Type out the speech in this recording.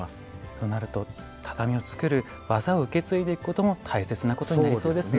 となると畳を作る技を受け継いでいくことも大切なことになりそうですね。